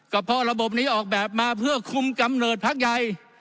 ก็เพราะระบบนี้ออกแบบมาเพื่อคุมกำเนิดพักใหญ่